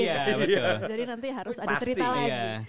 jadi nanti harus ada cerita lagi